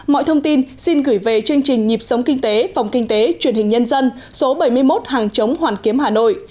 mọi thông tin xin gửi về chương trình nhịp sống kinh tế phòng kinh tế truyền hình nhân dân số bảy mươi một hàng chống hoàn kiếm hà nội